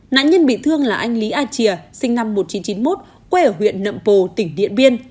nạn nhân bị thương là anh lý a chìa sinh năm một nghìn chín trăm chín mươi một quê ở huyện nậm pồ tỉnh điện biên